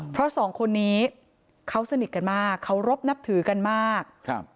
เพราะสองคนนี้เขาสนิทกันมากเขารบนับถือกันมากครับ